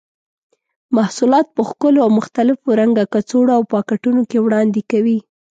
محصولات په ښکلو او مختلفو رنګه کڅوړو او پاکټونو کې وړاندې کوي.